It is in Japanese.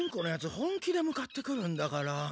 本気で向かってくるんだから。